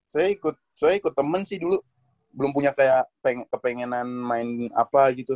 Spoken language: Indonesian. soalnya ikut temen sih dulu belum punya kayak kepengenan main apa gitu